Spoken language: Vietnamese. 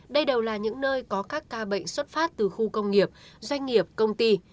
đây đều là những nơi có các ca bệnh xuất phát từ khu công nghiệp doanh nghiệp công ty